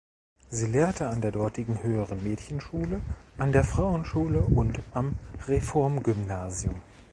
Sie lehrte an der dortigen höheren Mädchenschule, an der Frauenschule und am Reformgymnasium.